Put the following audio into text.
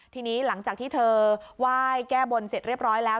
ทีนี้หลังจากที่เธอไหว้แก้บนเสร็จเรียบร้อยแล้ว